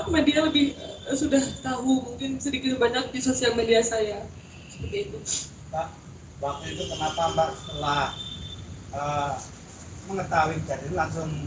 media lebih sudah tahu mungkin sedikit banyak di sosial media saya seperti itu